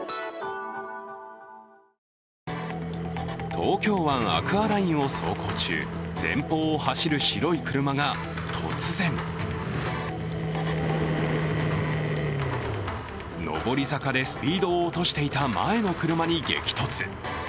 東京湾アクアラインを走行中、前方を走る白い車が突然上り坂でスピードを落としていた前の車に激突。